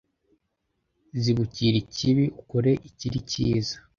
zibukira ikibi, ukore ikiri cyiza